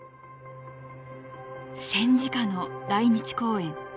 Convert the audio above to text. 戦時下の来日公演。